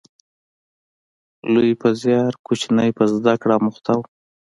لوی په زیار، کوچنی په زده کړه اموخته و